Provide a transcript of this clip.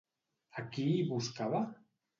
A qui hi buscava?